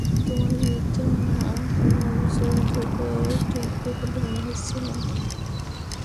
তোমার বিরুদ্ধে আনা কোনো অভিযোগ ধোপে টিকবে বলে মনে হচ্ছে না।